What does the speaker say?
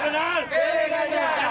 yang benar pilih ganjar